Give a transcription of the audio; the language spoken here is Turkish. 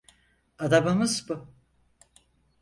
Adamımız bu.